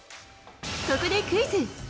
ここでクイズ。